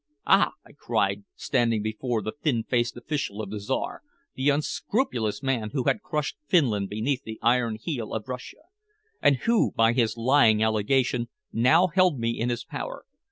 "Ah!" I cried, standing before the thin faced official of the Czar, the unscrupulous man who had crushed Finland beneath the iron heel of Russia, and who, by his lying allegation, now held me in his power.